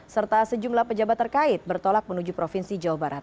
serta sejumlah pejabat terkait bertolak menuju provinsi jawa barat